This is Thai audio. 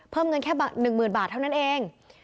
เพิ่มเงินแค่๑๐๐๐บาทเท่านั้นเอง